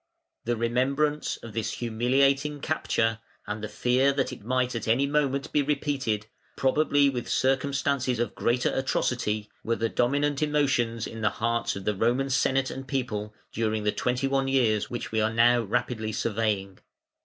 ] The remembrance of this humiliating capture and the fear that it might at any moment be repeated, probably with circumstances of greater atrocity, were the dominant emotions in the hearts of the Roman Senate and people during the twenty one years which we are now rapidly surveying.